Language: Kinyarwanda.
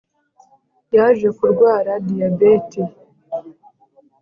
Yaje kurwara diyabeti